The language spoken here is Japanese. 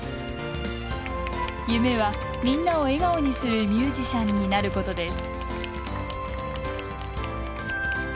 夢は、みんなを笑顔にするミュージシャンになることです。